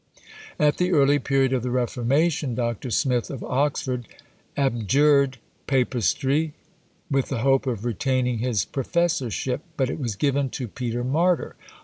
At the early period of the Reformation, Dr. Smith of Oxford abjured papistry, with the hope of retaining his professorship, but it was given to Peter Martyr.